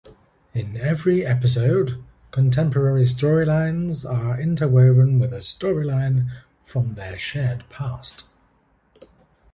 In every episode, contemporary storylines are interwoven with a storyline from their shared past.